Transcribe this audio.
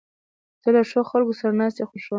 زه له ښو خلکو سره ناستې خوښوم.